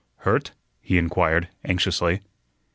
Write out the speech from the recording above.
"Hurt?" he inquired, anxiously.